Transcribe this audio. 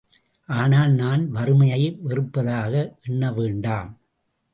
ஆனால் நான் வறுமையை வெறுப்பதாக எண்ண வேண்டாம்.